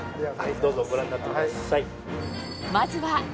どうぞご覧になってください。